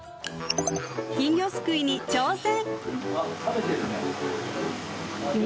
金魚すくいに挑戦！